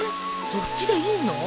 そっちでいいの？